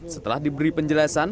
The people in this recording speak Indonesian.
setelah diberi penjelasan